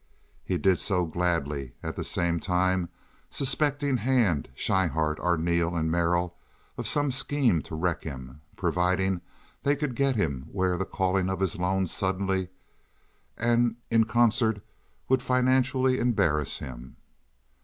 He did so gladly, at the same time suspecting Hand, Schryhart, Arneel, and Merrill of some scheme to wreck him, providing they could get him where the calling of his loans suddenly and in concert would financially embarrass him.